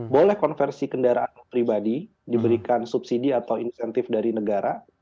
boleh konversi kendaraan pribadi diberikan subsidi atau insentif dari negara